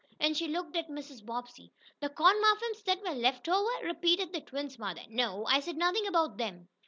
and she looked at Mrs. Bobbsey. "The corn muffins that were left over?" repeated the twins' mother. "No, I said nothing about them.